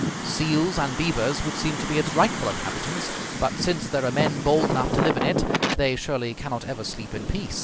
Seals and beavers would seem to be its rightful inhabitants; but since there are men bold enough to live in it, they surely cannot ever sleep in peace.